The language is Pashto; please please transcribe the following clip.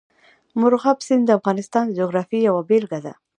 مورغاب سیند د افغانستان د جغرافیې یوه بېلګه ده.